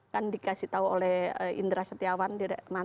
kan dikasih tahu oleh indra setiawan di rekman